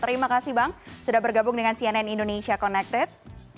terima kasih bang sudah bergabung dengan cnn indonesia connected